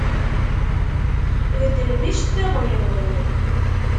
Beddlem iceṭṭiḍen-nwen!